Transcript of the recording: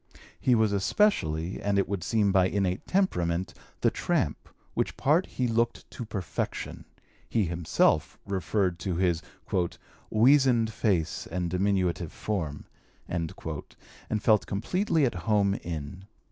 He was especially, and it would seem by innate temperament, the tramp, which part he looked to perfection (he himself referred to his "weasoned face and diminutive form") and felt completely at home in.